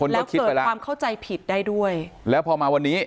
แล้วเกิดความเข้าใจผิดได้ด้วยแล้วพอมาวันนี้